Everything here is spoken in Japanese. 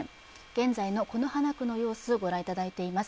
現在の此花区の様子ご覧いただいています。